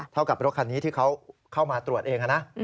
เท่ากับรถคันนี้ที่เขาเข้ามาตรวจเองนะ